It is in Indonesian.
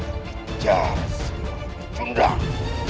kita kejar semua cendang